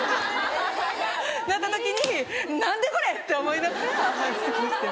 なった時に「何だこれ⁉」って思いながら。